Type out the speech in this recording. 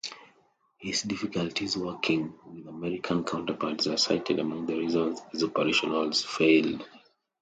His difficulties working with American counterparts are cited among the reasons these operations failed.